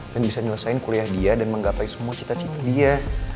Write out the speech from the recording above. dan bisa nyelesain kuliah dia dan menggapai semua cita cita dia